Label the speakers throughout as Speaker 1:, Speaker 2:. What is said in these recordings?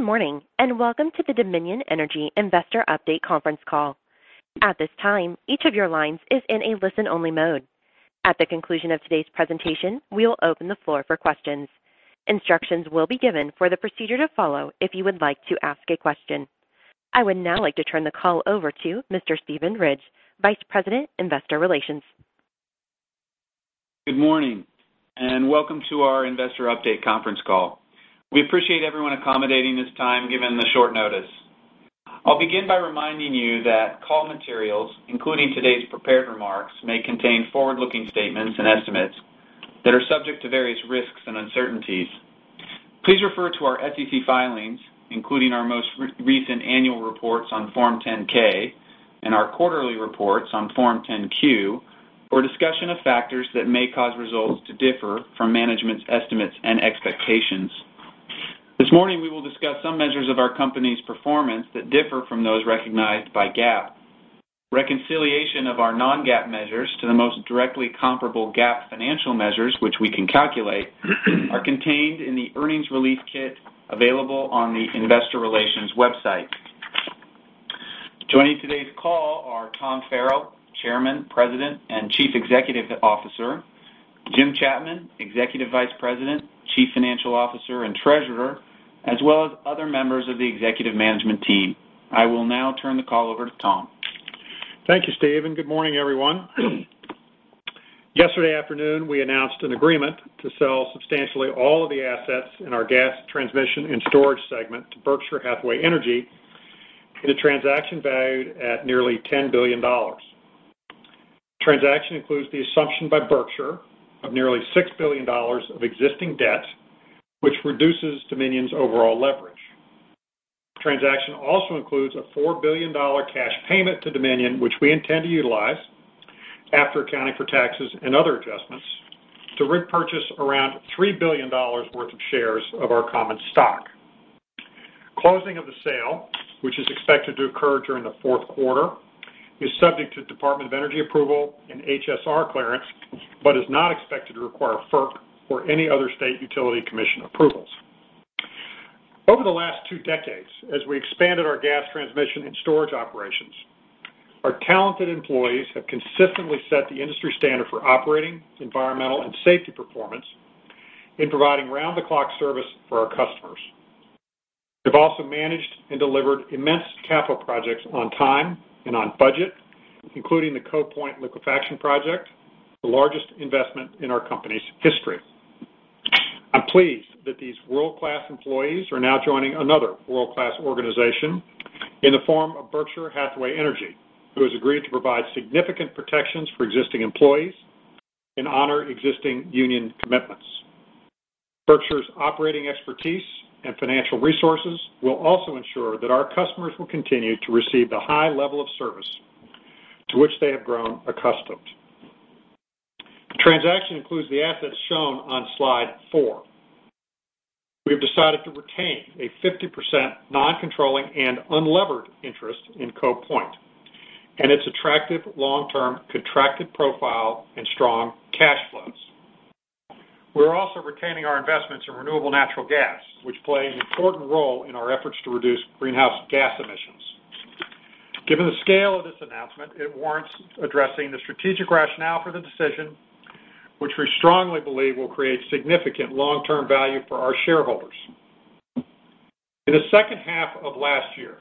Speaker 1: Morning. Welcome to the Dominion Energy Investor Update conference call. At this time, each of your lines is in a listen-only mode. At the conclusion of today's presentation, we will open the floor for questions. Instructions will be given for the procedure to follow if you would like to ask a question. I would now like to turn the call over to Mr. Steven Ridge, Vice President, Investor Relations.
Speaker 2: Good morning, welcome to our Investor Update conference call. We appreciate everyone accommodating this time, given the short notice. I'll begin by reminding you that call materials, including today's prepared remarks, may contain forward-looking statements and estimates that are subject to various risks and uncertainties. Please refer to our SEC filings, including our most recent annual reports on Form 10-K and our quarterly reports on Form 10-Q, for a discussion of factors that may cause results to differ from management's estimates and expectations. This morning, we will discuss some measures of our company's performance that differ from those recognized by GAAP. Reconciliation of our non-GAAP measures to the most directly comparable GAAP financial measures, which we can calculate, are contained in the earnings release kit available on the investor relations website. Joining today's call are Tom Farrell, Chairman, President, and Chief Executive Officer. Jim Chapman, Executive Vice President, Chief Financial Officer, and Treasurer, as well as other members of the executive management team. I will now turn the call over to Tom.
Speaker 3: Thank you, Steve. Good morning, everyone. Yesterday afternoon, we announced an agreement to sell substantially all of the assets in our gas transmission and storage segment to Berkshire Hathaway Energy in a transaction valued at nearly $10 billion. The transaction includes the assumption by Berkshire of nearly $6 billion of existing debt, which reduces Dominion's overall leverage. The transaction also includes a $4 billion cash payment to Dominion, which we intend to utilize, after accounting for taxes and other adjustments, to repurchase around $3 billion worth of shares of our common stock. Closing of the sale, which is expected to occur during the fourth quarter, is subject to Department of Energy approval and HSR clearance, but is not expected to require FERC or any other state utility commission approvals. Over the last two decades, as we expanded our gas transmission and storage operations, our talented employees have consistently set the industry standard for operating, environmental, and safety performance in providing round-the-clock service for our customers. They've also managed and delivered immense capital projects on time and on budget, including the Cove Point Liquefaction project, the largest investment in our company's history. I'm pleased that these world-class employees are now joining another world-class organization in the form of Berkshire Hathaway Energy, who has agreed to provide significant protections for existing employees and honor existing union commitments. Berkshire's operating expertise and financial resources will also ensure that our customers will continue to receive the high level of service to which they have grown accustomed. The transaction includes the assets shown on slide four. We have decided to retain a 50% non-controlling and unlevered interest in Cove Point and its attractive long-term contracted profile and strong cash flows. We're also retaining our investments in renewable natural gas, which play an important role in our efforts to reduce greenhouse gas emissions. Given the scale of this announcement, it warrants addressing the strategic rationale for the decision, which we strongly believe will create significant long-term value for our shareholders. In the second half of last year,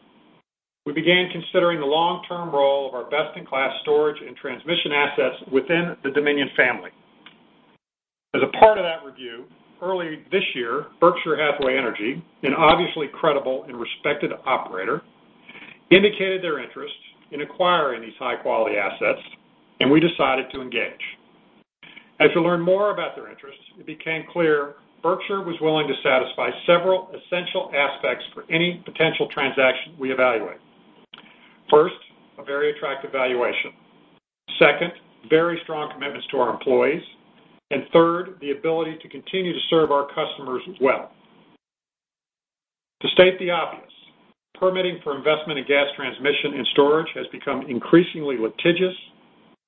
Speaker 3: we began considering the long-term role of our best-in-class storage and transmission assets within the Dominion family. As a part of that review, early this year, Berkshire Hathaway Energy, an obviously credible and respected operator, indicated their interest in acquiring these high-quality assets. We decided to engage. As we learned more about their interests, it became clear Berkshire was willing to satisfy several essential aspects for any potential transaction we evaluate. First, a very attractive valuation. Second, very strong commitments to our employees. Third, the ability to continue to serve our customers well. To state the obvious, permitting for investment in gas transmission and storage has become increasingly litigious,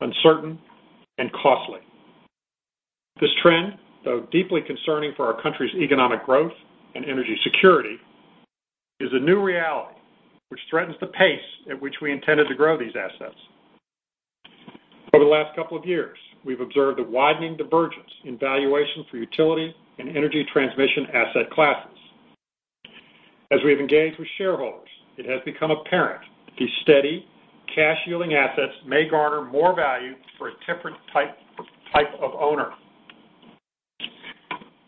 Speaker 3: uncertain, and costly. This trend, though deeply concerning for our country's economic growth and energy security, is a new reality which threatens the pace at which we intended to grow these assets. Over the last couple of years, we've observed a widening divergence in valuation for utility and energy transmission asset classes. As we've engaged with shareholders, it has become apparent these steady, cash-yielding assets may garner more value for a different type of owner.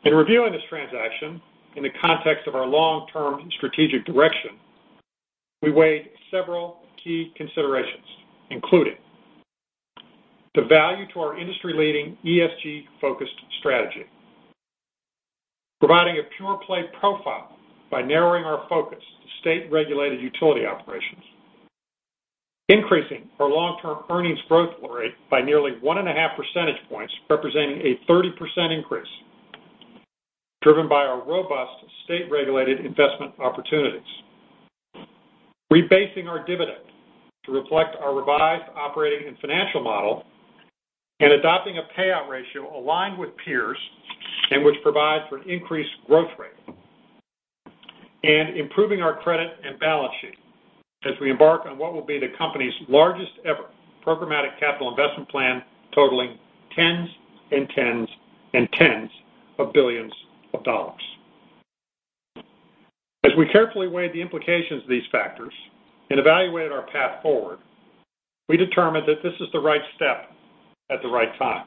Speaker 3: In reviewing this transaction in the context of our long-term strategic direction, we weighed several key considerations, including the value to our industry-leading ESG-focused strategy. Providing a pure-play profile by narrowing our focus to state-regulated utility operations. Increasing our long-term earnings growth rate by nearly one and a half percentage points, representing a 30% increase driven by our robust state-regulated investment opportunities. Rebasing our dividend to reflect our revised operating and financial model and adopting a payout ratio aligned with peers and which provides for an increased growth rate. Improving our credit and balance sheet as we embark on what will be the company's largest ever programmatic capital investment plan, totaling tens and tens and tens of billions of dollars. As we carefully weighed the implications of these factors and evaluated our path forward, we determined that this is the right step at the right time.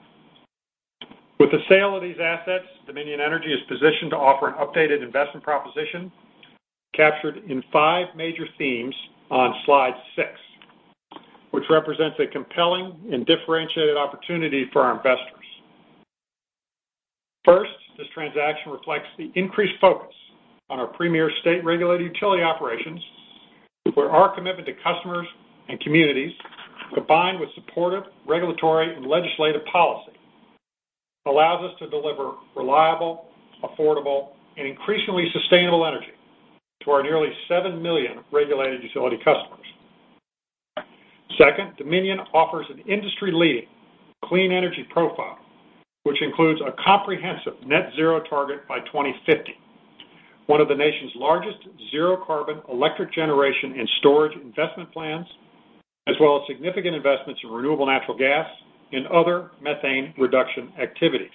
Speaker 3: With the sale of these assets, Dominion Energy is positioned to offer an updated investment proposition captured in five major themes on slide six, which represents a compelling and differentiated opportunity for our investors. First, this transaction reflects the increased focus on our premier state-regulated utility operations, where our commitment to customers and communities, combined with supportive regulatory and legislative policy, allows us to deliver reliable, affordable, and increasingly sustainable energy to our nearly seven million regulated utility customers. Second, Dominion offers an industry-leading clean energy profile, which includes a comprehensive net zero target by 2050, one of the nation's largest zero-carbon electric generation and storage investment plans, as well as significant investments in renewable natural gas and other methane reduction activities.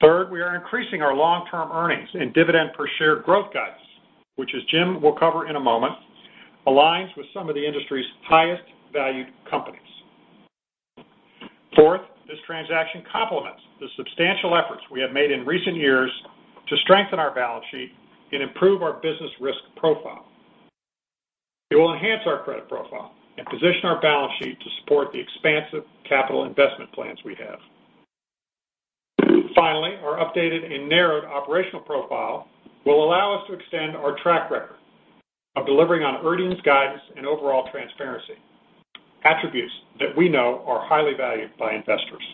Speaker 3: Third, we are increasing our long-term earnings and dividend per share growth guidance, which, as Jim will cover in a moment, aligns with some of the industry's highest valued companies. Fourth, this transaction complements the substantial efforts we have made in recent years to strengthen our balance sheet and improve our business risk profile. It will enhance our credit profile and position our balance sheet to support the expansive capital investment plans we have. Finally, our updated and narrowed operational profile will allow us to extend our track record of delivering on earnings guidance and overall transparency, attributes that we know are highly valued by investors.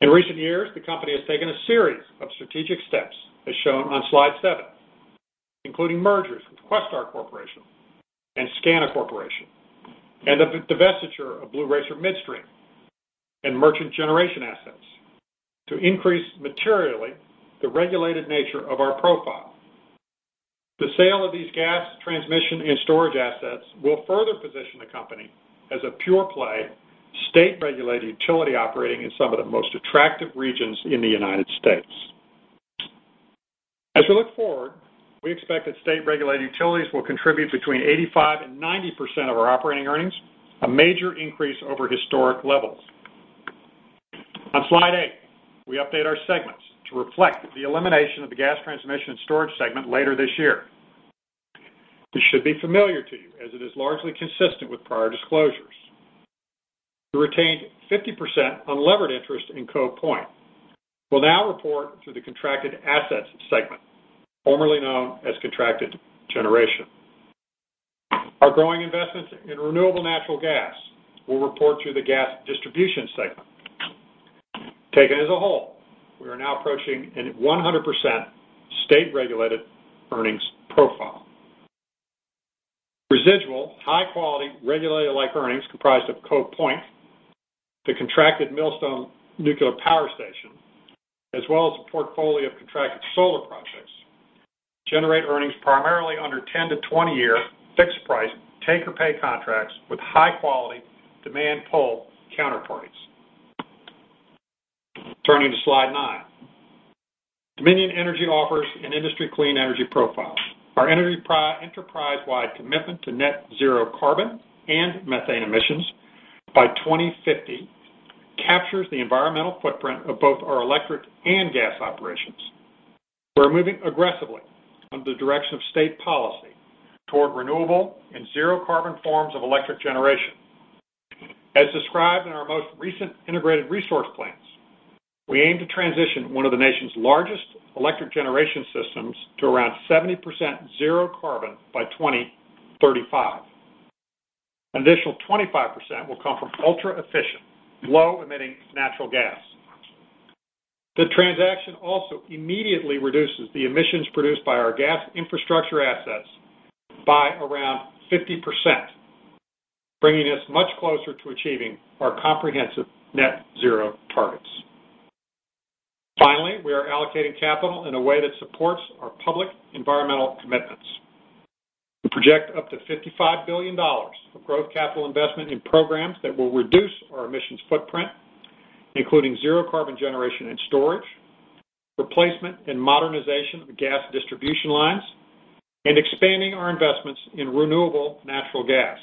Speaker 3: In recent years, the company has taken a series of strategic steps, as shown on slide seven, including mergers with Questar Corporation and SCANA Corporation, and the divestiture of Blue Racer Midstream and merchant generation assets to increase materially the regulated nature of our profile. The sale of these gas transmission and storage assets will further position the company as a pure play, state-regulated utility operating in some of the most attractive regions in the United States. As we look forward, we expect that state-regulated utilities will contribute between 85% and 90% of our operating earnings, a major increase over historic levels. On slide eight, we update our segments to reflect the elimination of the gas transmission and storage segment later this year. This should be familiar to you, as it is largely consistent with prior disclosures. The retained 50% unlevered interest in Cove Point will now report through the Contracted Assets segment, formerly known as Contracted Generation. Our growing investments in renewable natural gas will report through the Gas Distribution segment. Taken as a whole, we are now approaching a 100% state-regulated earnings profile. Residual, high-quality, regulated-like earnings comprised of Cove Point, the contracted Millstone nuclear power station, as well as a portfolio of contracted solar projects, generate earnings primarily under 10- to 20-year fixed price take-or-pay contracts with high-quality demand pull counterparties. Turning to slide nine. Dominion Energy offers an industry clean energy profile. Our enterprise-wide commitment to net zero carbon and methane emissions by 2050 captures the environmental footprint of both our electric and gas operations. We're moving aggressively under the direction of state policy toward renewable and zero-carbon forms of electric generation. As described in our most recent integrated resource plans, we aim to transition one of the nation's largest electric generation systems to around 70% zero-carbon by 2035. An additional 25% will come from ultra-efficient, low-emitting natural gas. The transaction also immediately reduces the emissions produced by our gas infrastructure assets by around 50%, bringing us much closer to achieving our comprehensive net zero targets. Finally, we are allocating capital in a way that supports our public environmental commitments. We project up to $55 billion of growth capital investment in programs that will reduce our emissions footprint, including zero-carbon generation and storage, replacement and modernization of gas distribution lines, and expanding our investments in renewable natural gas.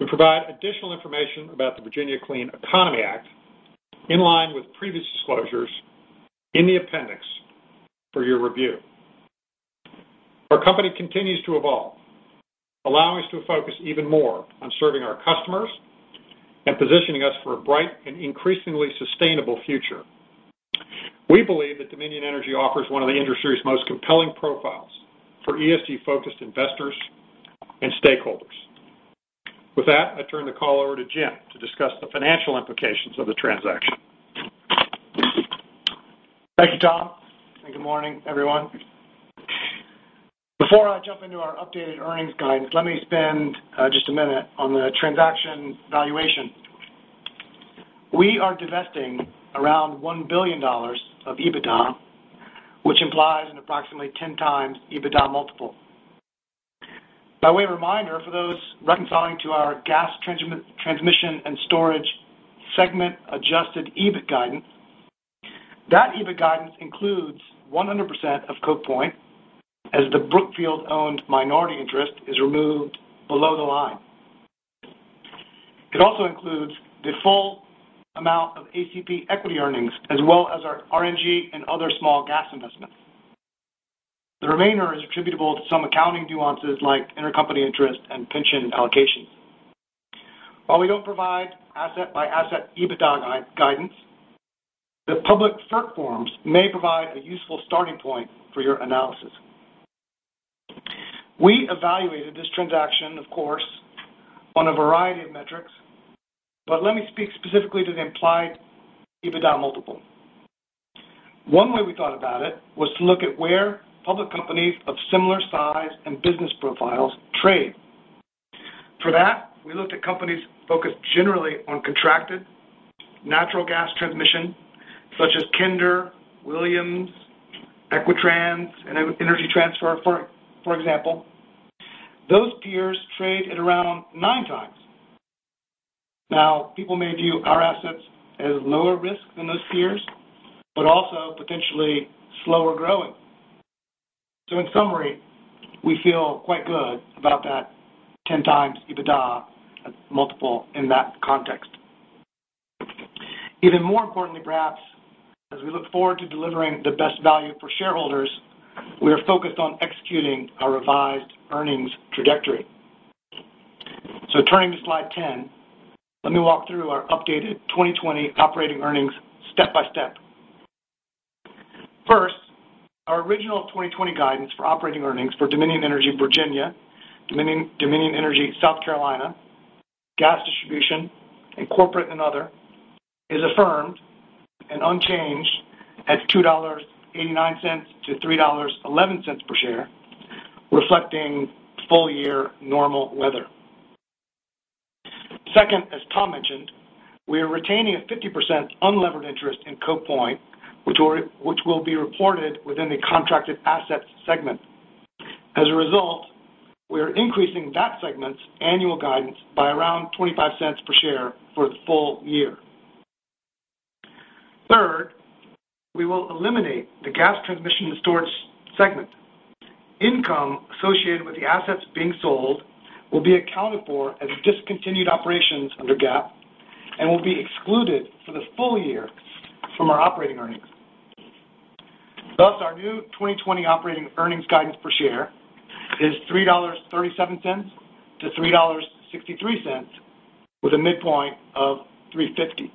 Speaker 3: We provide additional information about the Virginia Clean Economy Act in line with previous disclosures in the appendix for your review. Our company continues to evolve, allowing us to focus even more on serving our customers and positioning us for a bright and increasingly sustainable future. We believe that Dominion Energy offers one of the industry's most compelling profiles for ESG-focused investors and stakeholders. With that, I turn the call over to Jim to discuss the financial implications of the transaction.
Speaker 4: Thank you, Tom. Good morning, everyone. Before I jump into our updated earnings guidance, let me spend just a minute on the transaction valuation. We are divesting around $1 billion of EBITDA, which implies an approximately 10 times EBITDA multiple. By way of reminder, for those reconciling to our gas transmission and storage segment adjusted EBIT guidance, that EBIT guidance includes 100% of Cove Point as the Brookfield-owned minority interest is removed below the line. It also includes the full amount of ACP equity earnings, as well as our RNG and other small gas investments. The remainder is attributable to some accounting nuances like intercompany interest and pension allocation. While we don't provide asset-by-asset EBITDA guidance, the public FERC forms may provide a useful starting point for your analysis. We evaluated this transaction, of course, on a variety of metrics, but let me speak specifically to the implied EBITDA multiple. One way we thought about it was to look at where public companies of similar size and business profiles trade. For that, we looked at companies focused generally on contracted natural gas transmission, such as Kinder, Williams, Equitrans, and Energy Transfer, for example. Those peers trade at around nine times. People may view our assets as lower risk than those peers, but also potentially slower growing. In summary, we feel quite good about that 10 times EBITDA multiple in that context. Even more importantly perhaps, as we look forward to delivering the best value for shareholders, we are focused on executing our revised earnings trajectory. Turning to slide 10, let me walk through our updated 2020 operating earnings step by step. First, our original 2020 guidance for operating earnings for Dominion Energy Virginia, Dominion Energy South Carolina, Gas Distribution, and Corporate and Other, is affirmed and unchanged at $2.89 to $3.11 per share, reflecting full-year normal weather. Second, as Tom mentioned, we are retaining a 50% unlevered interest in Cove Point, which will be reported within the Contracted Assets Segment. As a result, we are increasing that segment's annual guidance by around $0.25 per share for the full year. Third, we will eliminate the Gas Transmission and Storage Segment. Income associated with the assets being sold will be accounted for as discontinued operations under GAAP and will be excluded for the full year from our operating earnings. Thus, our new 2020 operating earnings guidance per share is $3.37 to $3.63, with a midpoint of $3.50.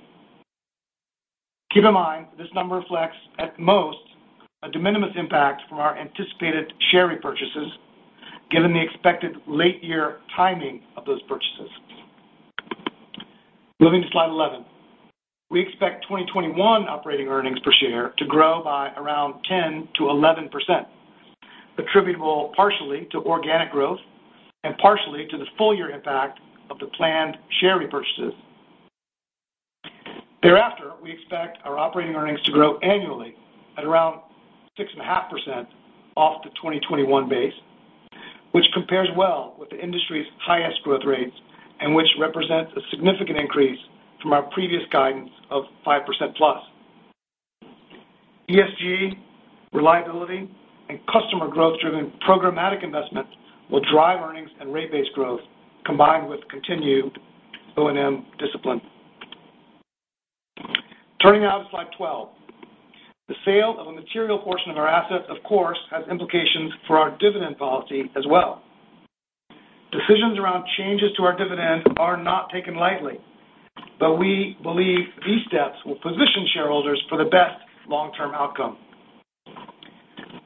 Speaker 4: Keep in mind, this number reflects at most a de minimis impact from our anticipated share repurchases given the expected late-year timing of those purchases. Moving to slide 11. We expect 2021 operating earnings per share to grow by around 10% to 11%, attributable partially to organic growth and partially to the full-year impact of the planned share repurchases. Thereafter, we expect our operating earnings to grow annually at around 6.5% off the 2021 base, which compares well with the industry's highest growth rates and which represents a significant increase from our previous guidance of 5% plus. ESG, reliability, and customer growth-driven programmatic investments will drive earnings and rate-based growth, combined with continued O&M discipline. Turning now to slide 12. The sale of a material portion of our assets, of course, has implications for our dividend policy as well. Decisions around changes to our dividend are not taken lightly, but we believe these steps will position shareholders for the best long-term outcome.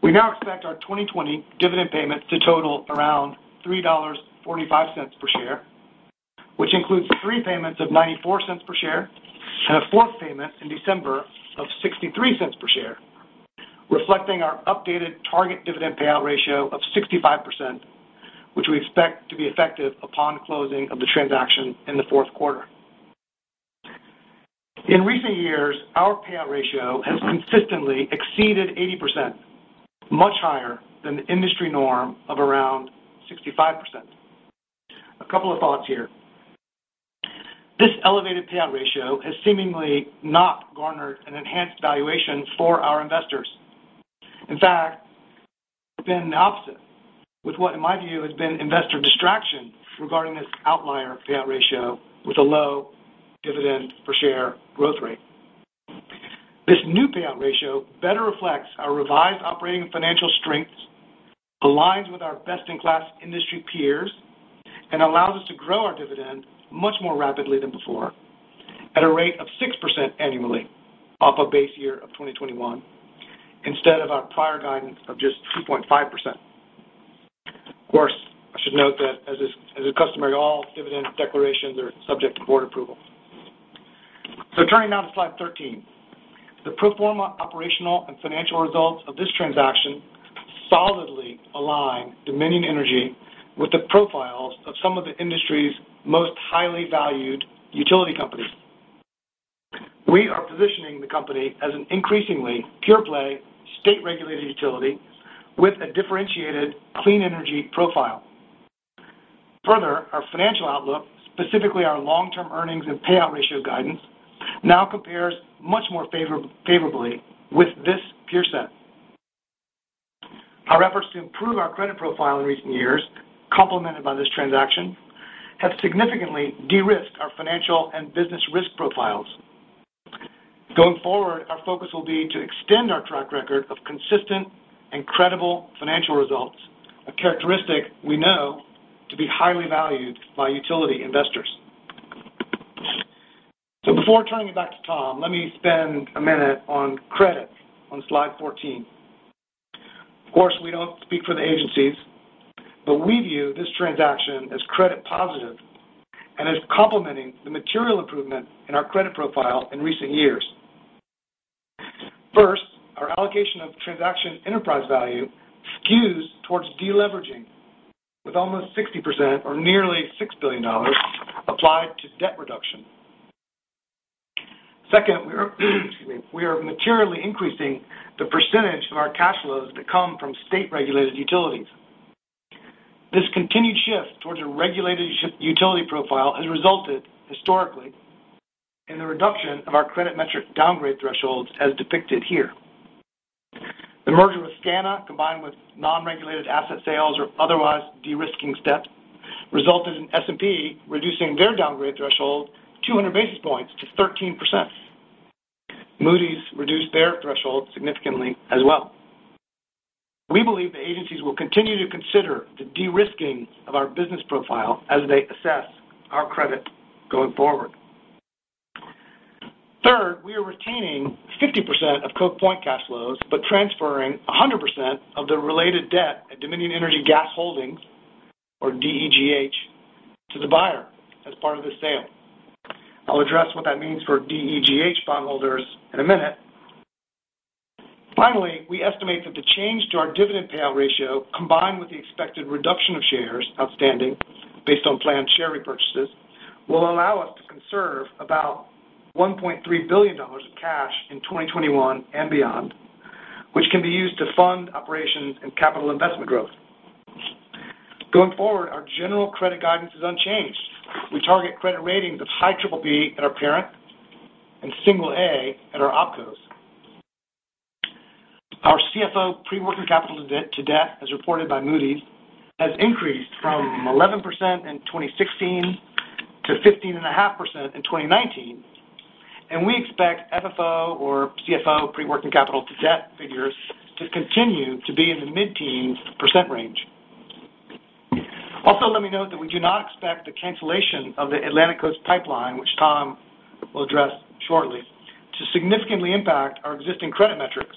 Speaker 4: We now expect our 2020 dividend payment to total around $3.45 per share, which includes three payments of $0.94 per share and a fourth payment in December of $0.63 per share, reflecting our updated target dividend payout ratio of 65%, which we expect to be effective upon closing of the transaction in the fourth quarter. In recent years, our payout ratio has consistently exceeded 80%, much higher than the industry norm of around 65%. A couple of thoughts here. This elevated payout ratio has seemingly not garnered an enhanced valuation for our investors. In fact, it's been the opposite, with what in my view has been investor distraction regarding this outlier payout ratio with a low dividend per share growth rate. This new payout ratio better reflects our revised operating and financial strengths, aligns with our best-in-class industry peers, and allows us to grow our dividend much more rapidly than before at a rate of 6% annually off a base year of 2021, instead of our prior guidance of just 2.5%.Of course, I should note that as is customary, all dividend declarations are subject to board approval. Turning now to slide 13. The pro forma operational and financial results of this transaction solidly align Dominion Energy with the profiles of some of the industry's most highly valued utility companies. We are positioning the company as an increasingly pure-play, state-regulated utility with a differentiated clean energy profile. Further, our financial outlook, specifically our long-term earnings and payout ratio guidance, now compares much more favorably with this peer set. Our efforts to improve our credit profile in recent years, complemented by this transaction, have significantly de-risked our financial and business risk profiles. Going forward, our focus will be to extend our track record of consistent and credible financial results, a characteristic we know to be highly valued by utility investors. Before turning it back to Tom, let me spend a minute on credit on slide 14. Of course, we don't speak for the agencies, but we view this transaction as credit positive and as complementing the material improvement in our credit profile in recent years. First, our allocation of transaction enterprise value skews towards de-leveraging, with almost 60%, or nearly $6 billion, applied to debt reduction. Second, we are materially increasing the percentage of our cash flows that come from state-regulated utilities. This continued shift towards a regulated utility profile has resulted, historically, in the reduction of our credit metric downgrade thresholds as depicted here. The merger with SCANA, combined with non-regulated asset sales or otherwise de-risking steps, resulted in S&P reducing their downgrade threshold 200 basis points to 13%. Moody's reduced their threshold significantly as well. We believe the agencies will continue to consider the de-risking of our business profile as they assess our credit going forward. Third, we are retaining 50% of Cove Point cash flows, but transferring 100% of the related debt at Dominion Energy Gas Holdings, or DEGH, to the buyer as part of the sale. I'll address what that means for DEGH bondholders in a minute. We estimate that the change to our dividend payout ratio, combined with the expected reduction of shares outstanding based on planned share repurchases, will allow us to conserve about $1.3 billion of cash in 2021 and beyond, which can be used to fund operations and capital investment growth. Our general credit guidance is unchanged. We target credit ratings of high triple B at our parent and single A at our opcos. Our CFO pre-working capital to debt, as reported by Moody's, has increased from 11% in 2016 to 15.5% in 2019. We expect FFO or CFO pre-working capital to debt figures to continue to be in the mid-teens percent range. Let me note that we do not expect the cancellation of the Atlantic Coast Pipeline, which Tom will address shortly, to significantly impact our existing credit metrics.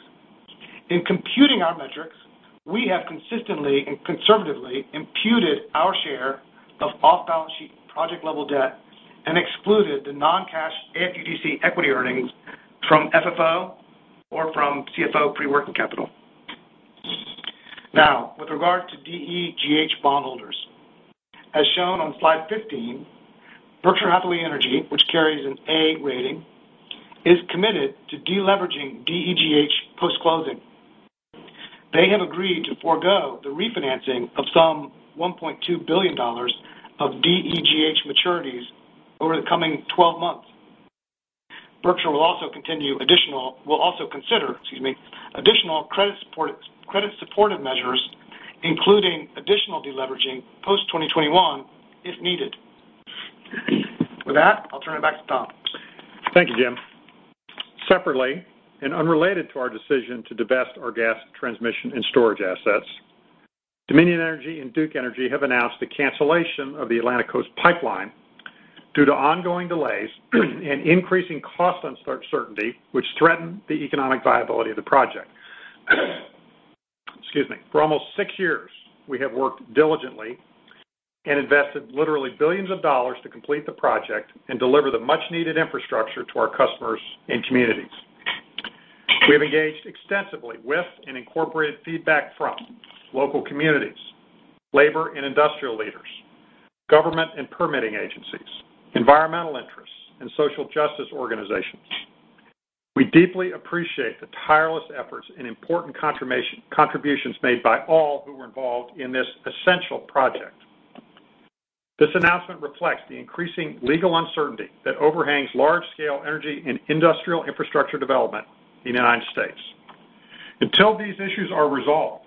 Speaker 4: In computing our metrics, we have consistently and conservatively imputed our share of off-balance sheet project-level debt and excluded the non-cash AFUDC equity earnings from FFO or from CFO pre-working capital. With regard to DEGH bondholders. As shown on slide 15, Berkshire Hathaway Energy, which carries an A rating, is committed to de-leveraging DEGH post-closing. They have agreed to forego the refinancing of some $1.2 billion of DEGH maturities over the coming 12 months. Berkshire will also consider additional credit-supportive measures, including additional de-leveraging post-2021 if needed. With that, I'll turn it back to Tom.
Speaker 3: Thank you, Jim. Separately, and unrelated to our decision to divest our gas transmission and storage assets, Dominion Energy and Duke Energy have announced the cancellation of the Atlantic Coast Pipeline due to ongoing delays and increasing cost uncertainty, which threaten the economic viability of the project. Excuse me. For almost six years, we have worked diligently and invested literally billions of dollars to complete the project and deliver the much-needed infrastructure to our customers and communities. We have engaged extensively with and incorporated feedback from local communities, labor and industrial leaders, government and permitting agencies, environmental interests, and social justice organizations. We deeply appreciate the tireless efforts and important contributions made by all who were involved in this essential project. This announcement reflects the increasing legal uncertainty that overhangs large-scale energy and industrial infrastructure development in the United States. Until these issues are resolved,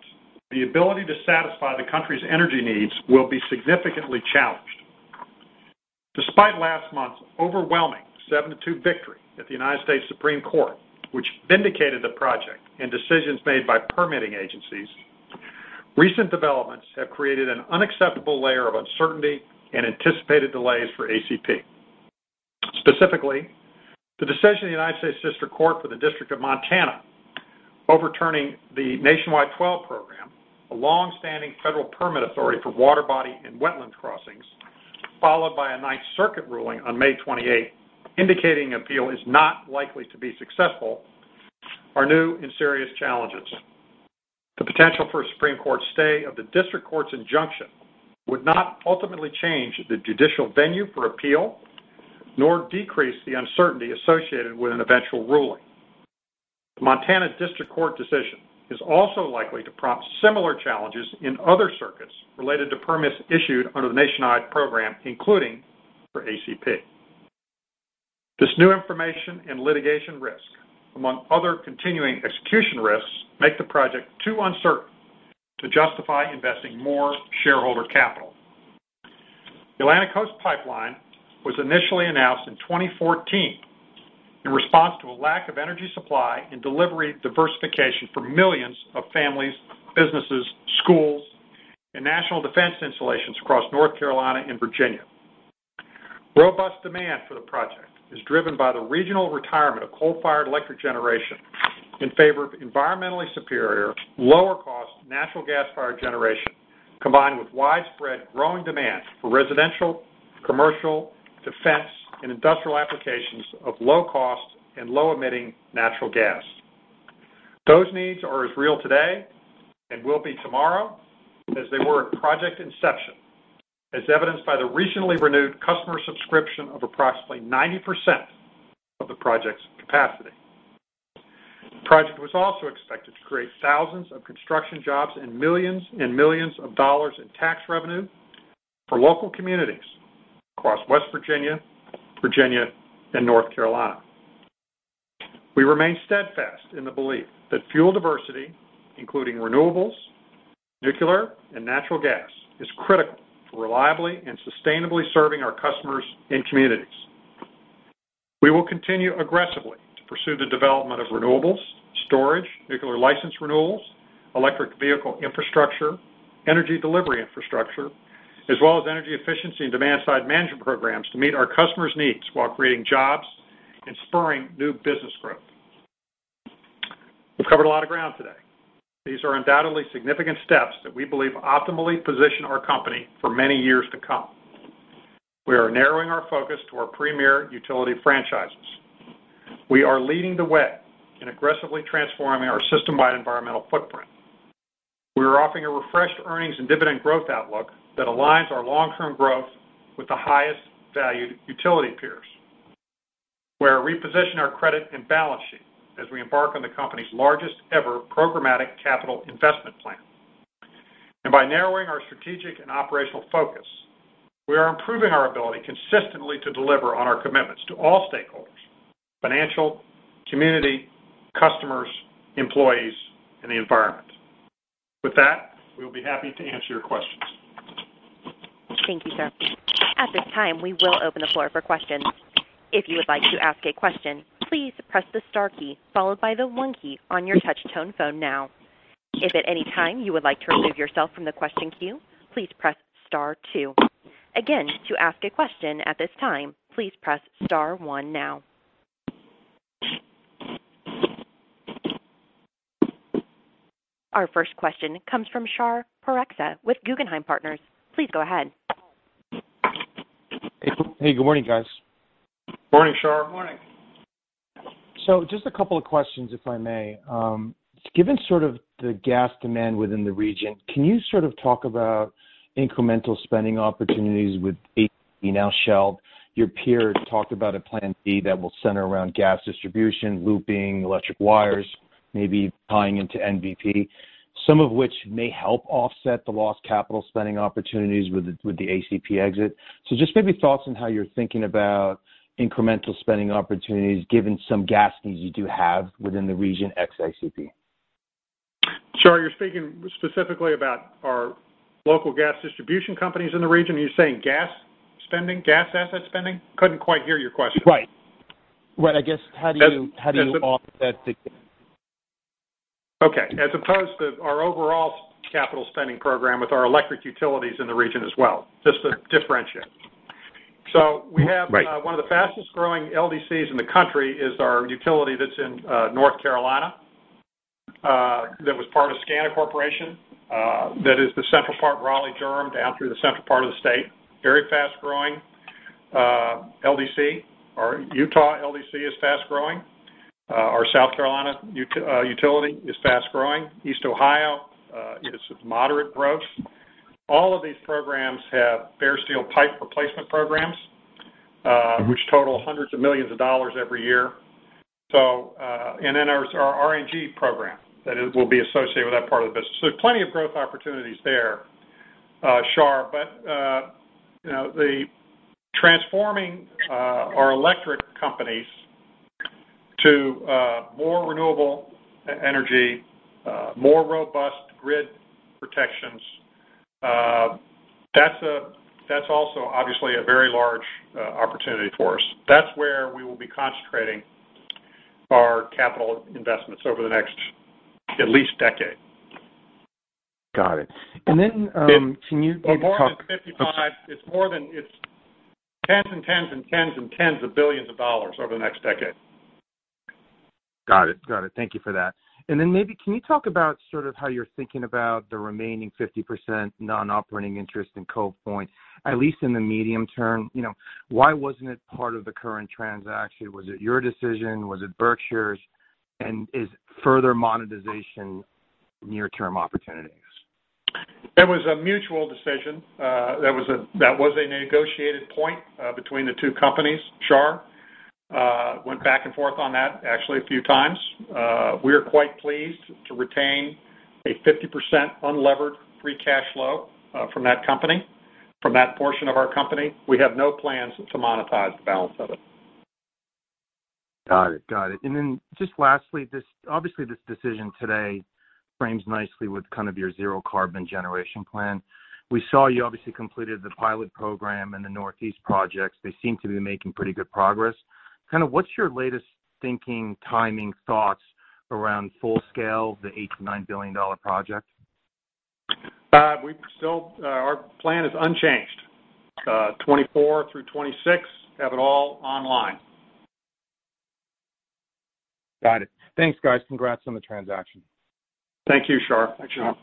Speaker 3: the ability to satisfy the country's energy needs will be significantly challenged. Despite last month's overwhelming seven to two victory at the Supreme Court of the United States, which vindicated the project and decisions made by permitting agencies, recent developments have created an unacceptable layer of uncertainty and anticipated delays for ACP. Specifically, the decision of the United States District Court for the District of Montana overturning the Nationwide Permit 12 program, a long-standing federal permit authority for water body and wetlands crossings, followed by a Ninth Circuit ruling on May 28th indicating appeal is not likely to be successful, are new and serious challenges. The potential for a Supreme Court stay of the district court's injunction would not ultimately change the judicial venue for appeal, nor decrease the uncertainty associated with an eventual ruling. The United States District Court for the District of Montana decision is also likely to prompt similar challenges in other circuits related to permits issued under the Nationwide Permit 12, including for ACP. This new information and litigation risk, among other continuing execution risks, make the project too uncertain to justify investing more shareholder capital. The Atlantic Coast Pipeline was initially announced in 2014 in response to a lack of energy supply and delivery diversification for millions of families, businesses, schools, and national defense installations across North Carolina and Virginia. Robust demand for the project is driven by the regional retirement of coal-fired electric generation in favor of environmentally superior, lower-cost natural gas-fired generation, combined with widespread growing demand for residential, commercial, defense, and industrial applications of low-cost and low-emitting natural gas. Those needs are as real today and will be tomorrow as they were at project inception, as evidenced by the recently renewed customer subscription of approximately 90% of the project's capacity. The project was also expected to create thousands of construction jobs and millions and millions of dollars in tax revenue for local communities across West Virginia, and North Carolina. We remain steadfast in the belief that fuel diversity, including renewables, nuclear, and natural gas, is critical for reliably and sustainably serving our customers and communities. We will continue aggressively to pursue the development of renewables, storage, nuclear license renewals, electric vehicle infrastructure, energy delivery infrastructure, as well as energy efficiency and demand-side management programs to meet our customers' needs while creating jobs and spurring new business growth. We've covered a lot of ground today. These are undoubtedly significant steps that we believe optimally position our company for many years to come. We are narrowing our focus to our premier utility franchises. We are leading the way in aggressively transforming our system-wide environmental footprint. We are offering a refreshed earnings and dividend growth outlook that aligns our long-term growth with the highest-valued utility peers. We are repositioning our credit and balance sheet as we embark on the company's largest-ever programmatic capital investment plan. By narrowing our strategic and operational focus, we are improving our ability consistently to deliver on our commitments to all stakeholders, financial, community, customers, employees, and the environment. With that, we will be happy to answer your questions.
Speaker 1: Thank you, sir. At this time, we will open the floor for questions. If you would like to ask a question, please press the star key followed by the one key on your touch-tone phone now. If at any time you would like to remove yourself from the question queue, please press star two. Again, to ask a question at this time, please press star one now. Our first question comes from Shahriar Pourreza with Guggenheim Partners. Please go ahead.
Speaker 5: Hey, good morning, guys.
Speaker 3: Morning, Char.
Speaker 4: Morning.
Speaker 5: Just a couple of questions, if I may. Given sort of the gas demand within the region, can you sort of talk about incremental spending opportunities with ACP now shelved? Your peers talked about a plan B that will center around gas distribution, looping electric wires, maybe tying into NBP, some of which may help offset the lost capital spending opportunities with the ACP exit. Just maybe thoughts on how you're thinking about incremental spending opportunities given some gas needs you do have within the region ex ACP.
Speaker 3: Char, you're speaking specifically about our local gas distribution companies in the region. Are you saying gas spending, gas asset spending? Couldn't quite hear your question.
Speaker 5: Right. Well, I guess, how do you offset?
Speaker 3: Okay, as opposed to our overall capital spending program with our electric utilities in the region as well, just to differentiate.
Speaker 5: Right.
Speaker 3: We have one of the fastest-growing LDCs in the country is our utility that's in North Carolina, that was part of SCANA Corporation. That is the central part, Raleigh-Durham, down through the central part of the state. Very fast-growing LDC. Our Utah LDC is fast-growing. Our South Carolina utility is fast-growing. East Ohio is of moderate growth. All of these programs have bare steel pipe replacement programs, which total $hundreds of millions every year. Our RNG program that will be associated with that part of the business. Plenty of growth opportunities there, Char. Transforming our electric companies to more renewable energy, more robust grid protections, that's also obviously a very large opportunity for us. That's where we will be concentrating our capital investments over the next at least decade.
Speaker 5: Got it. Can you talk-
Speaker 3: It's more than 55. It's tens and tens and tens and tens of billions of dollars over the next decade.
Speaker 5: Got it. Thank you for that. Then maybe, can you talk about how you're thinking about the remaining 50% non-operating interest in Cove Point, at least in the medium term? Why wasn't it part of the current transaction? Was it your decision? Was it Berkshire's? Is further monetization near-term opportunities?
Speaker 3: It was a mutual decision. That was a negotiated point between the two companies. Char went back and forth on that, actually a few times. We are quite pleased to retain a 50% unlevered free cash flow from that company, from that portion of our company. We have no plans to monetize the balance of it.
Speaker 5: Got it. Just lastly, obviously this decision today frames nicely with your zero carbon generation plan. We saw you obviously completed the pilot program and the Northeast projects. They seem to be making pretty good progress. What's your latest thinking, timing, thoughts around full scale, the $8 billion-$9 billion project?
Speaker 3: Our plan is unchanged. 2024 through 2026, have it all online.
Speaker 5: Got it. Thanks, guys. Congrats on the transaction.
Speaker 3: Thank you, Shahr.
Speaker 4: Thanks, Shahr..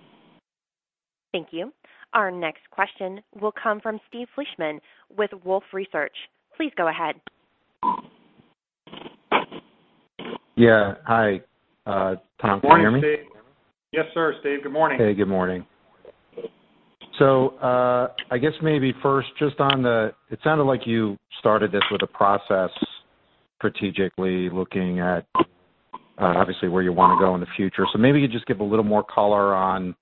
Speaker 1: Thank you. Our next question will come from Steve Fleishman with Wolfe Research. Please go ahead.
Speaker 6: Yeah. Hi. Tom, can you hear me?
Speaker 3: Morning, Steve. Yes, sir, Steve. Good morning.
Speaker 6: Hey, good morning. I guess maybe first, it sounded like you started this with a process strategically looking at obviously where you want to go in the future. Maybe you just give a little more color on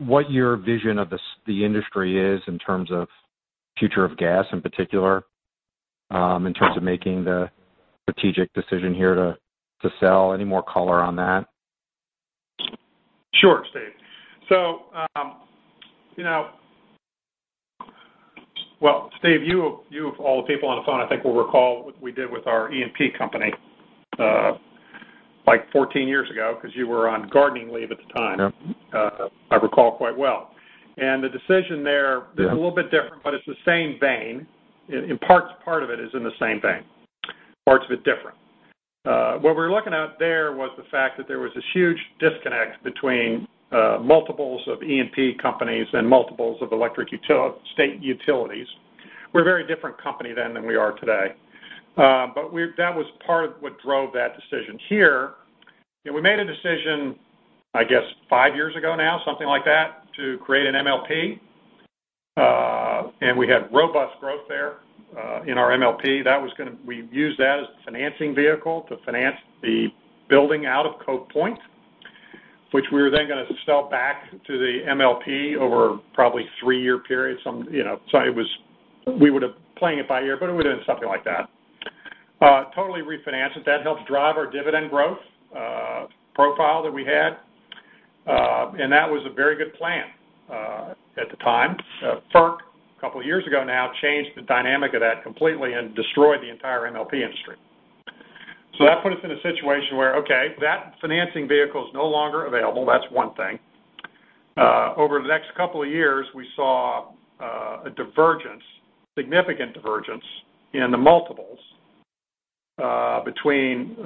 Speaker 6: what your vision of the industry is in terms of future of gas, in particular, in terms of making the strategic decision here to sell. Any more color on that?
Speaker 3: Sure, Steve. Well, Steve, you of all the people on the phone, I think will recall what we did with our E&P company like 14 years ago, because you were on gardening leave at the time.
Speaker 6: Yep.
Speaker 3: I recall quite well.
Speaker 6: Yeah
Speaker 3: is a little bit different, but it's the same vein. Part of it is in the same vein, parts of it different. What we were looking at there was the fact that there was this huge disconnect between multiples of E&P companies and multiples of electric state utilities. We were a very different company then than we are today. That was part of what drove that decision. Here, we made a decision, I guess 5 years ago now, something like that, to create an MLP. We had robust growth there in our MLP. We used that as a financing vehicle to finance the building out of Cove Point, which we were then going to sell back to the MLP over probably a 3-year period. We would have planned it by year, but it would've been something like that. Totally refinanced it. That helped drive our dividend growth profile that we had. That was a very good plan at the time. FERC, couple years ago now, changed the dynamic of that completely and destroyed the entire MLP industry. That put us in a situation where, okay, that financing vehicle is no longer available. That's one thing. Over the next couple of years, we saw a divergence, significant divergence, in the multiples between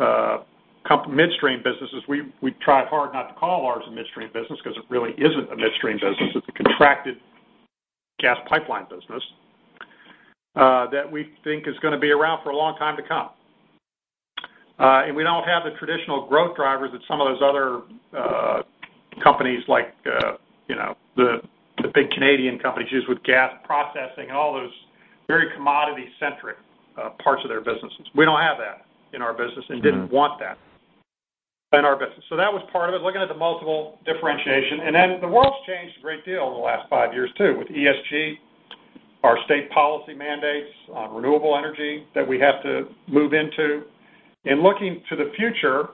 Speaker 3: midstream businesses. We tried hard not to call ours a midstream business because it really isn't a midstream business. It's a contracted gas pipeline business that we think is going to be around for a long time to come. We don't have the traditional growth drivers that some of those other companies like the big Canadian companies use with gas processing and all those very commodity-centric parts of their businesses. We don't have that in our business. Didn't want that in our business. That was part of it, looking at the multiple differentiation. Then the world's changed a great deal in the last five years, too, with ESG, our state policy mandates on renewable energy that we have to move into. In looking to the future,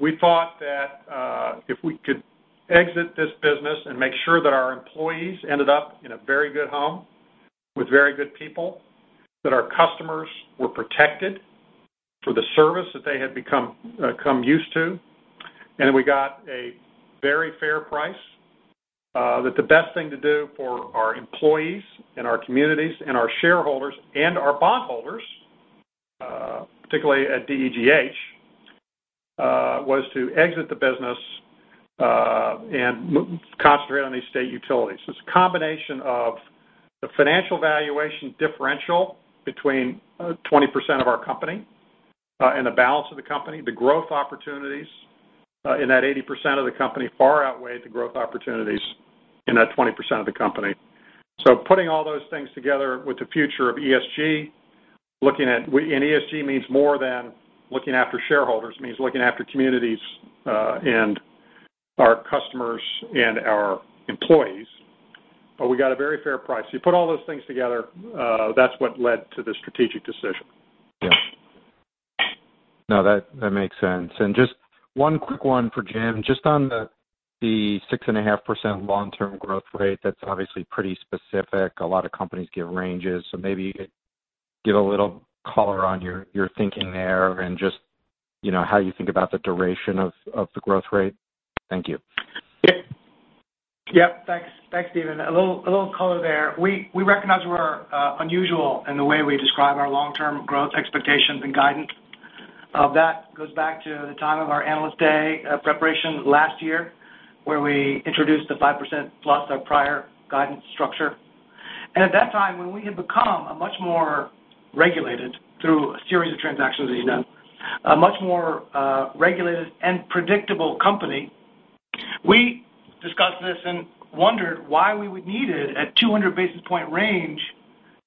Speaker 3: we thought that if we could exit this business and make sure that our employees ended up in a very good home with very good people, that our customers were protected for the service that they had become used to, and we got a very fair price, that the best thing to do for our employees and our communities and our shareholders and our bond holders, particularly at DEGH, was to exit the business and concentrate on these state utilities. It's a combination of the financial valuation differential between 20% of our company and the balance of the company. The growth opportunities in that 80% of the company far outweighed the growth opportunities in that 20% of the company. Putting all those things together with the future of ESG. ESG means more than looking after shareholders. It means looking after communities and our customers and our employees. We got a very fair price. You put all those things together, that's what led to the strategic decision.
Speaker 6: Yeah. No, that makes sense. Just one quick one for Jim, just on The 6.5% long-term growth rate, that's obviously pretty specific. A lot of companies give ranges. Maybe give a little color on your thinking there and just how you think about the duration of the growth rate. Thank you.
Speaker 4: Yep. Thanks, Steven. A little color there. We recognize we're unusual in the way we describe our long-term growth expectations and guidance. That goes back to the time of our analyst day preparation last year, where we introduced the 5% plus our prior guidance structure. At that time, when we had become a much more regulated, through a series of transactions that he's done, a much more regulated and predictable company, we discussed this and wondered why we would need it at 200 basis point range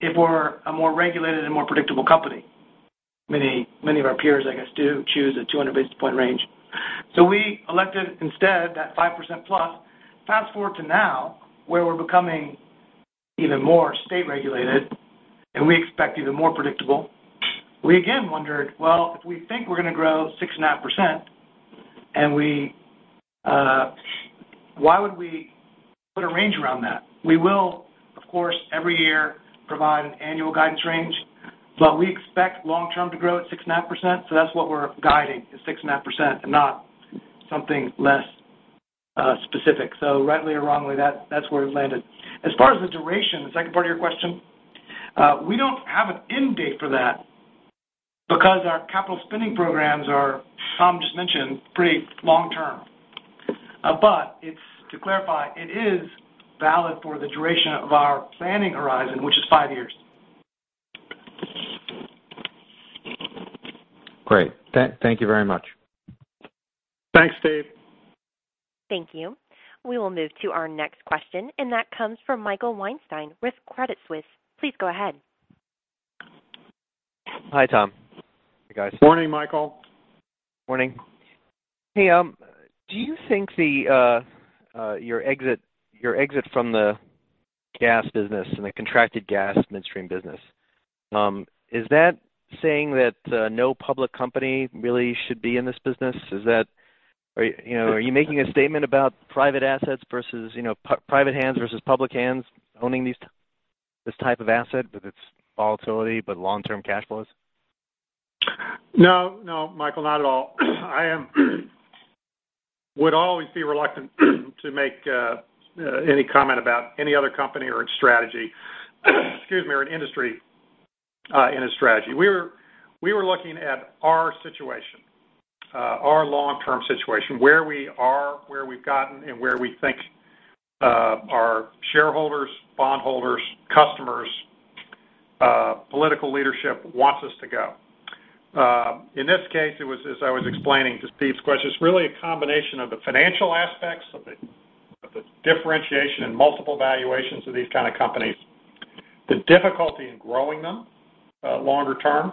Speaker 4: if we're a more regulated and more predictable company. Many of our peers, I guess, do choose a 200 basis point range. We elected instead that 5% plus. Fast-forward to now, where we're becoming even more state-regulated, and we expect even more predictable. We again wondered, well, if we think we're going to grow 6.5%, why would we put a range around that? We will, of course, every year provide an annual guidance range, but we expect long-term to grow at 6.5%, so that's what we're guiding is 6.5% and not something less specific. Rightly or wrongly, that's where we landed. As far as the duration, the second part of your question, we don't have an end date for that because our capital spending programs are, Tom just mentioned, pretty long-term. To clarify, it is valid for the duration of our planning horizon, which is five years.
Speaker 6: Great. Thank you very much.
Speaker 4: Thanks, Steve.
Speaker 1: Thank you. We will move to our next question, and that comes from Michael Weinstein with Credit Suisse. Please go ahead.
Speaker 7: Hi, Tom.
Speaker 4: Hey, guys. Morning, Michael.
Speaker 7: Morning. Do you think your exit from the gas business and the contracted gas midstream business, is that saying that no public company really should be in this business? Are you making a statement about private assets versus private hands versus public hands owning this type of asset with its volatility but long-term cash flows?
Speaker 3: No, Michael, not at all. I would always be reluctant to make any comment about any other company or its strategy, excuse me, or an industry in a strategy. We were looking at our situation, our long-term situation, where we are, where we've gotten, and where we think our shareholders, bondholders, customers, political leadership wants us to go. In this case, it was as I was explaining to Steve's question, it's really a combination of the financial aspects of the differentiation and multiple valuations of these kind of companies, the difficulty in growing them longer term,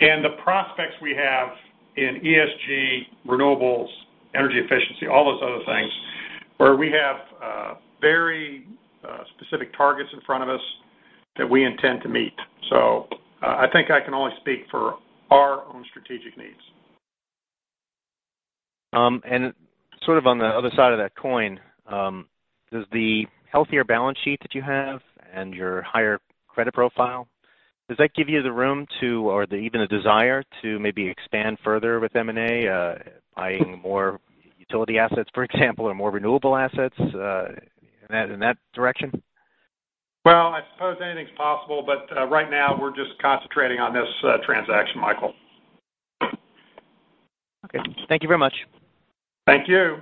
Speaker 3: and the prospects we have in ESG, renewables, energy efficiency, all those other things, where we have very specific targets in front of us that we intend to meet. I think I can only speak for our own strategic needs.
Speaker 7: Sort of on the other side of that coin, does the healthier balance sheet that you have and your higher credit profile, does that give you the room to or even the desire to maybe expand further with M&A, buying more utility assets, for example, or more renewable assets in that direction?
Speaker 3: I suppose anything's possible, but right now, we're just concentrating on this transaction, Michael.
Speaker 7: Okay. Thank you very much.
Speaker 3: Thank you.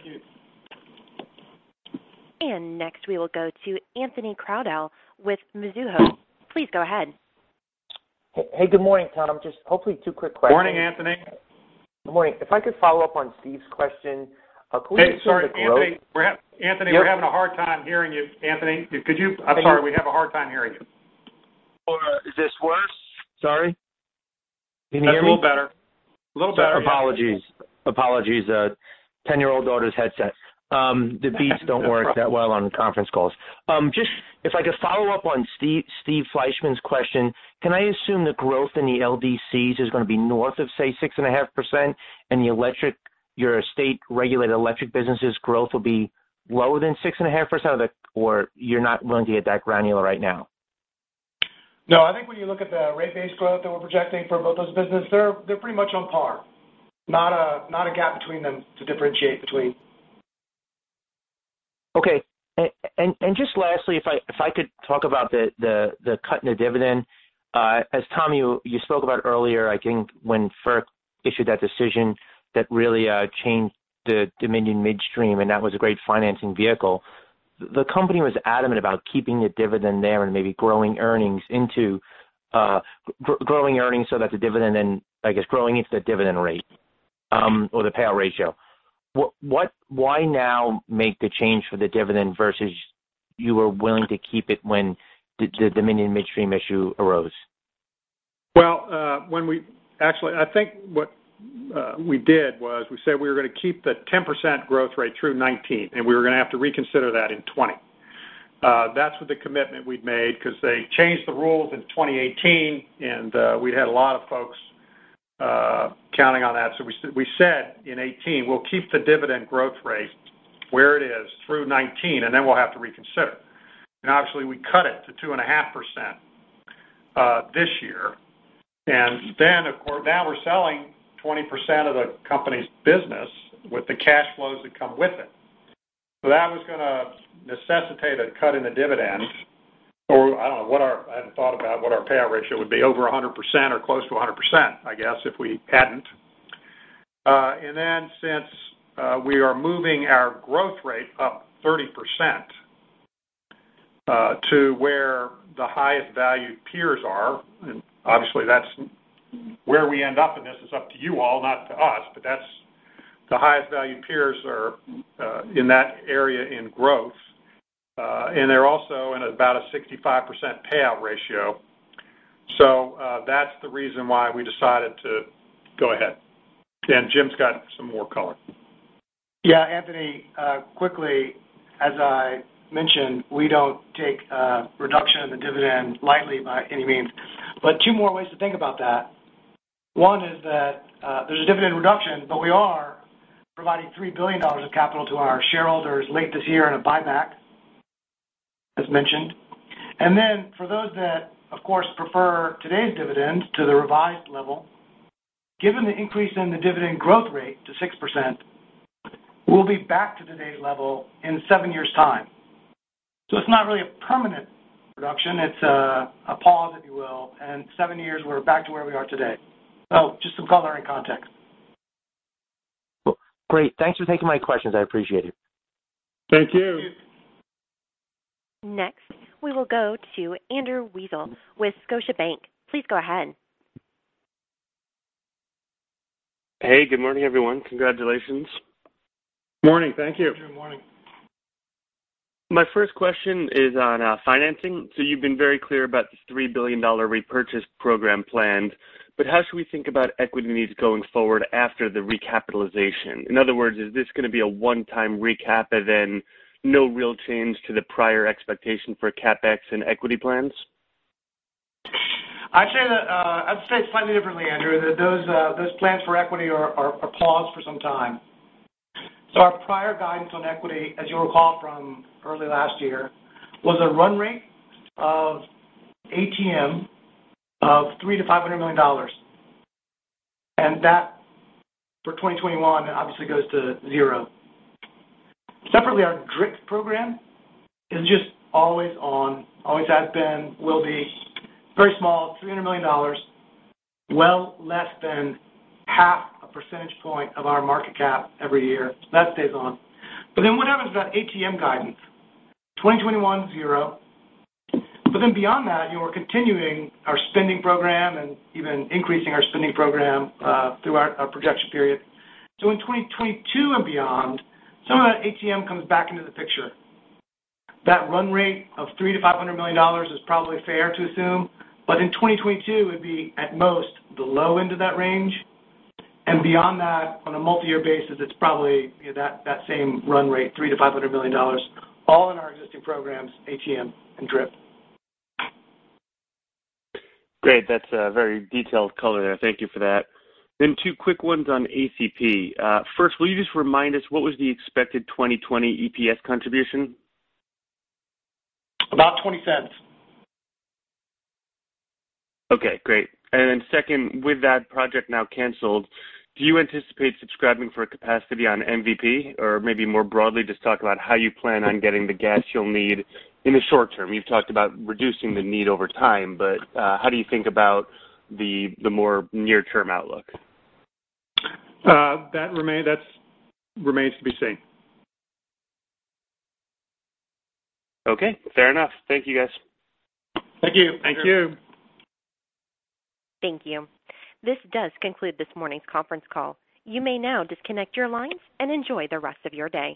Speaker 4: Thank you.
Speaker 1: Next we will go to Anthony Crowdell with Mizuho. Please go ahead.
Speaker 8: Hey. Good morning, Tom. Just hopefully two quick questions.
Speaker 3: Morning, Anthony.
Speaker 8: Good morning. If I could follow up on Steve's question.
Speaker 3: Hey, sorry, Anthony. Anthony, we're having a hard time hearing you. Anthony, I'm sorry, we have a hard time hearing you.
Speaker 8: Is this worse? Sorry. Can you hear me?
Speaker 3: That's a little better. A little better.
Speaker 8: Apologies. Ten-year-old daughter's headset. The Beats don't work that well on conference calls. If I could follow up on Steve Fleishman's question, can I assume the growth in the LDCs is going to be north of, say, 6.5% and your state-regulated electric business's growth will be lower than 6.5%, or you're not willing to get that granular right now?
Speaker 4: No, I think when you look at the rate base growth that we're projecting for both those businesses, they're pretty much on par. Not a gap between them to differentiate between.
Speaker 8: Okay. Just lastly, if I could talk about the cut in the dividend. As Tom, you spoke about earlier, I think when FERC issued that decision that really changed the Dominion Midstream, and that was a great financing vehicle. The company was adamant about keeping the dividend there and maybe growing earnings so that the dividend, and I guess growing into the dividend rate or the payout ratio. Why now make the change for the dividend versus you were willing to keep it when the Dominion Midstream issue arose?
Speaker 3: Well, actually, I think what we did was we said we were going to keep the 10% growth rate through 2019, and we were going to have to reconsider that in 2020. That's with the commitment we've made because they changed the rules in 2018, and we'd had a lot of folks counting on that. We said in 2018, we'll keep the dividend growth rate where it is through 2019, and then we'll have to reconsider. Obviously, we cut it to 2.5% this year. Then, of course, now we're selling 20% of the company's business with the cash flows that come with it. That was going to necessitate a cut in the dividend, or I don't know, I hadn't thought about what our payout ratio would be, over 100% or close to 100%, I guess, if we hadn't. Since we are moving our growth rate up 30% to where the highest value peers are, and obviously that's where we end up in this is up to you all, not to us, but that's the highest value peers are in that area in growth. They're also in about a 65% payout ratio. That's the reason why we decided to go ahead. Jim's got some more color.
Speaker 4: Anthony, quickly, as I mentioned, we don't take a reduction in the dividend lightly by any means, but two more ways to think about that. One is that there's a dividend reduction, but we are providing $3 billion of capital to our shareholders late this year in a buyback, as mentioned. For those that, of course, prefer today's dividend to the revised level, given the increase in the dividend growth rate to 6%, we'll be back to today's level in seven years' time. It's not really a permanent reduction. It's a pause, if you will, and seven years, we're back to where we are today. Just some color and context.
Speaker 8: Cool. Great. Thanks for taking my questions. I appreciate it.
Speaker 3: Thank you.
Speaker 4: Thank you.
Speaker 1: Next, we will go to Andrew Weisel with Scotiabank. Please go ahead.
Speaker 9: Hey, good morning, everyone. Congratulations.
Speaker 3: Morning. Thank you.
Speaker 4: Good morning.
Speaker 9: My first question is on financing. You've been very clear about this $3 billion repurchase program planned, but how should we think about equity needs going forward after the recapitalization? In other words, is this going to be a one-time recap and then no real change to the prior expectation for CapEx and equity plans?
Speaker 4: I'd say it slightly differently, Andrew Weisel, that those plans for equity are paused for some time. Our prior guidance on equity, as you'll recall from early last year, was a run rate of ATM of $300 million-$500 million. That, for 2021, obviously goes to zero. Separately, our DRIP program is just always on, always has been, will be. Very small, $300 million, well less than half a percentage point of our market cap every year. That stays on. What happens to that ATM guidance? 2021, zero. Beyond that, we're continuing our spending program and even increasing our spending program, through our projection period. In 2022 and beyond, some of that ATM comes back into the picture. That run rate of $300 million-$500 million is probably fair to assume. In 2022, it'd be at most the low end of that range. Beyond that, on a multi-year basis, it's probably that same run rate, $300 million-$500 million, all in our existing programs, ATM and DRIP.
Speaker 9: Great. That's a very detailed color there. Thank you for that. Two quick ones on ACP. First, will you just remind us what was the expected 2020 EPS contribution?
Speaker 4: About $0.20.
Speaker 9: Okay, great. Second, with that project now canceled, do you anticipate subscribing for capacity on MVP? Maybe more broadly, just talk about how you plan on getting the gas you'll need in the short term. You've talked about reducing the need over time, how do you think about the more near-term outlook?
Speaker 3: That remains to be seen.
Speaker 9: Okay, fair enough. Thank you, guys.
Speaker 4: Thank you.
Speaker 3: Thank you.
Speaker 1: Thank you. This does conclude this morning's conference call. You may now disconnect your lines and enjoy the rest of your day.